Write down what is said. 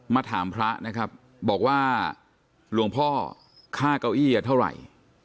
ถามพระนะครับบอกว่าหลวงพ่อค่าเก้าอี้เท่าไหร่